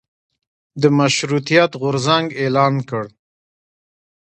د مشروطیت غورځنګ اعلان کړ.